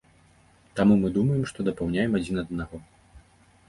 Таму мы думаем, што дапаўняем адзін аднаго.